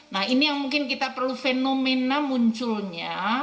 nah ini yang mungkin kita perlu fenomena munculnya